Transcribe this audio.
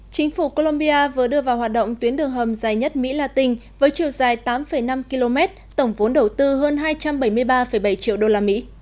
chính phủ colombia vừa đưa vào hoạt động tuyến đường hầm dài nhất mỹ la tinh với chiều dài tám năm km tổng vốn đầu tư hơn hai trăm bảy mươi ba bảy triệu usd